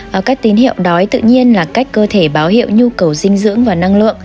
ở các tín hiệu đói tự nhiên là cách cơ thể báo hiệu nhu cầu dinh dưỡng và năng lượng